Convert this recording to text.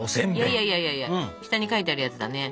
いやいやいやいや下に書いてあるやつだね。